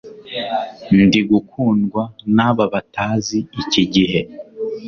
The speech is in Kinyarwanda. ndi gukundwa naba batazi iki gihe